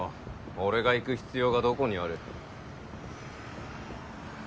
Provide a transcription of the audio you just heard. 俺が行く必要がどこにある。